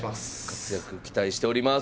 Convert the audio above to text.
活躍期待しております。